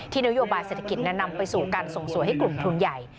นโยบายเศรษฐกิจนั้นนำไปสู่การส่งสวยให้กลุ่มทุนใหญ่